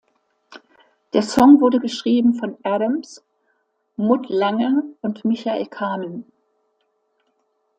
Der Song wurde geschrieben von Adams, Mutt Lange und Michael Kamen.